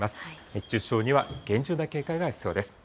熱中症には厳重な警戒が必要です。